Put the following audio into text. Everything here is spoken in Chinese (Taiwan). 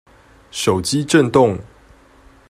手機震動